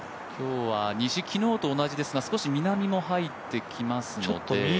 今日は西、昨日と同じですが少し南も入ってきますので。